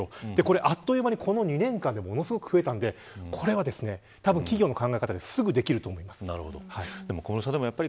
あっという間にこの２年間で増えたんでこれは企業の考え方ですぐにできると思います。